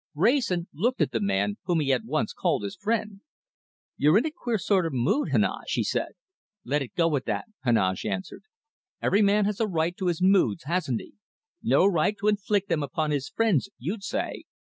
Wrayson looked at the man whom he had once called his friend. "You're in a queer sort of mood, Heneage," he said. "Let it go at that," Heneage answered. "Every man has a right to his moods, hasn't he? No right to inflict them upon his friends, you'd say!